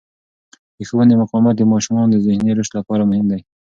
د ښوونې مقاومت د ماشومانو ذهني رشد لپاره مهم دی.